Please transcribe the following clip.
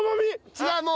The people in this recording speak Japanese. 違う。